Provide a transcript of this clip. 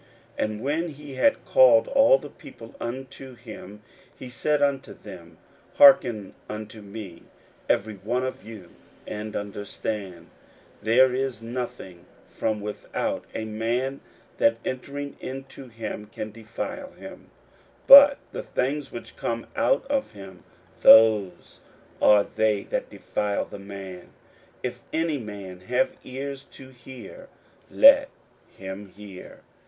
41:007:014 And when he had called all the people unto him, he said unto them, Hearken unto me every one of you, and understand: 41:007:015 There is nothing from without a man, that entering into him can defile him: but the things which come out of him, those are they that defile the man. 41:007:016 If any man have ears to hear, let him hear.